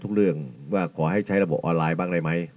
เรื่องว่าขอให้ใช้ระบบออนไลน์บ้างได้ไหม